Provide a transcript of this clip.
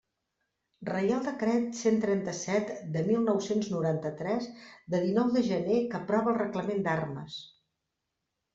Reial Decret cent trenta-set de mil nou-cents noranta-tres, de dinou de gener, que aprova el Reglament d'Armes.